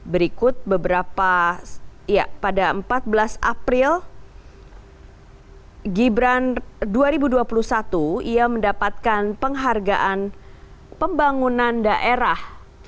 berikut beberapa pada empat belas april gibran dua ribu dua puluh satu ia mendapatkan penghargaan pembangunan daerah